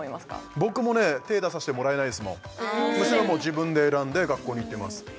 僕もね手出させてもらえないですもん娘も自分で選んで学校に行ってます